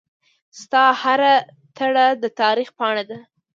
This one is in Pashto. ستا هره تړه دتاریخ پاڼه ده